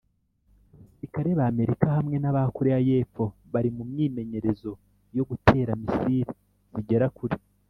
Abasirikare ba Amerika hamwe n'aba Korea Yepfo bari mu myimenyerezo yo gutera "missiles" zigera kure